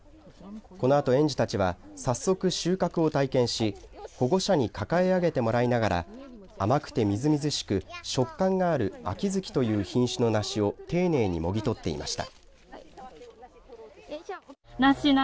このあと園児たちは早速、収穫を体験し保護者に抱え上げてもらいながら甘くて、みずみずしく食感があるあきづきという品種の梨を丁寧にもぎ取っていました。